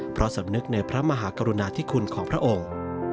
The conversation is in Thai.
เพราะสำนึกในพระมหากรุณาธิคุณของพระองค์